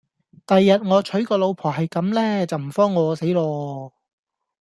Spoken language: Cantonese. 第日我娶個老婆係咁呢就唔慌餓死咯